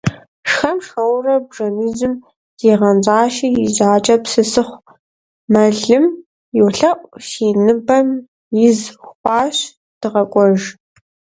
Шхэм–шхэурэ, бжэныжьым зигъэнщӀащи и жьакӀэр пысысыхьу мэлым йолъэӀу: - Си ныбэм из хуащ, дыгъэкӀуэж.